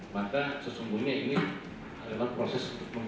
maka sesungguhnya ini adalah proses untuk mempercepat kerusakan ekologis